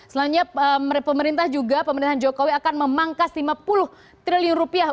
selanjutnya pemerintahan jokowi akan memangkas lima puluh triliun rupiah